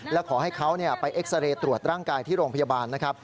และขอให้เขาไปเอ็กซาเรย์ตรวจร่างกายที่โรงพยาบาลนะครับ